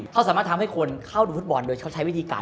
เขาสามารถทำให้คนเข้าดูฟุตบอลโดยเขาใช้วิธีการ